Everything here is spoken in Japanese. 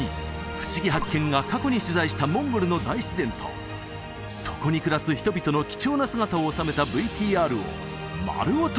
「ふしぎ発見！」が過去に取材したモンゴルの大自然とそこに暮らす人々の貴重な姿を収めたＶＴＲを丸ごと